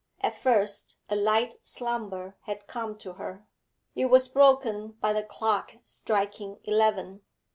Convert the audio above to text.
At first a light slumber had come to her; it was broken by the clock striking eleven.